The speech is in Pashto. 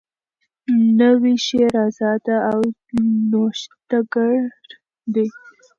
نوی شعر آزاده او نوښتګر دی.